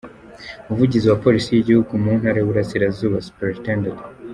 Umuvugizi wa Polisi y’igihugu mu ntara y’Iburasirazuba Supt.